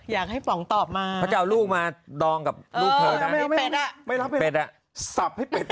อยากให้ป๋องกะพนตอบมา